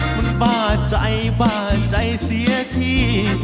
คุณป้าใจบ้าใจเสียที่